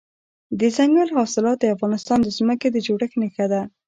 دځنګل حاصلات د افغانستان د ځمکې د جوړښت نښه ده.